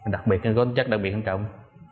đặc biệt là có chất đặc biệt quan trọng